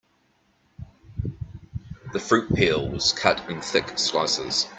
The fruit peel was cut in thick slices.